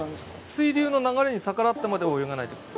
水流の流れに逆らってまでは泳がないってこと。